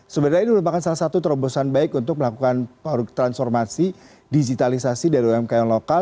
sebenarnya ini merupakan salah satu terobosan baik untuk melakukan transformasi digitalisasi dari umkm lokal